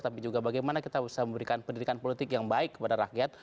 tapi juga bagaimana kita bisa memberikan pendidikan politik yang baik kepada rakyat